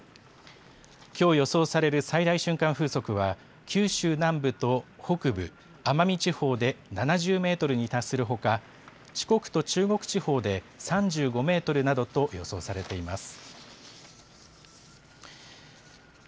きょう予想される最大瞬間風速は、九州南部と北部、奄美地方で７０メートルに達するほか、四国と中国地方で３５メートルなどと予想されています。